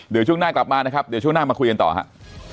เดี๋ยวช่วงหน้ากลับมานะครับเดี๋ยวช่วงหน้ามาคุยกันต่อครับ